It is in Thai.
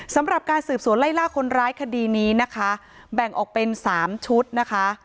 สำหรับการสืบสวนไล่ล่าคนร้ายคดีนี้นะคะแบ่งออกเป็น๓ชุดนะคะ